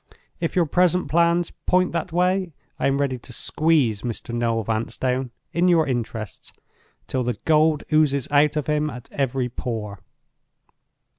If your present plans point that way, I am ready to squeeze Mr. Noel Vanstone, in your interests, till the gold oozes out of him at every pore.